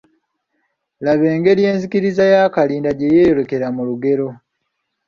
Laga engeri enzikiriza ya Kalinda gye yeeyolekera mu lugero